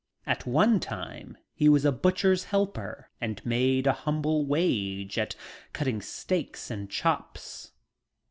At one time he was a butcher's helper and made a humble wage at cutting steaks and chops.